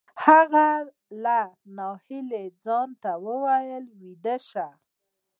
هغه له ناهیلۍ ځان ته وایی ویده شه